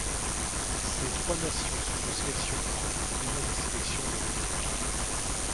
Ces trois nations sont des sélections A et non des sélections olympiques.